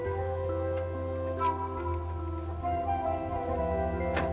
aku pergi dulu mas